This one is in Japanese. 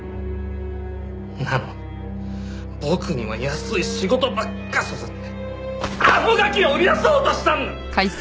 なのに僕には安い仕事ばっかさせてあのガキを売り出そうとしたんだ！